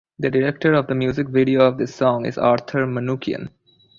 The director of the music video of this song is Arthur Manukyan.